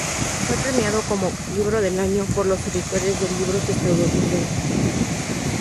Fue premiado como "Libro del Año" por los Editores de Libros Estadounidenses.